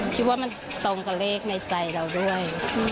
คิดว่ามันตรงกับเลขในใจเราด้วย